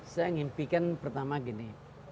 saya mengimpikan pertama gini